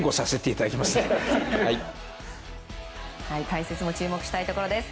解説も注目したいところです。